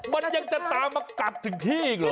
มันยังจะตามมากัดถึงที่อีกเหรอ